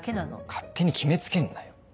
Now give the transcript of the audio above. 勝手に決め付けんなよ。